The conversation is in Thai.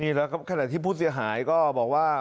นี่แล้วขนาดที่ผู้เสียหายก็บอกว่า